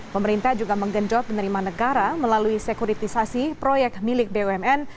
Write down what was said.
pemerintah juga menggenjot penerimaan negara melalui sekuritisasi proyek milik bumn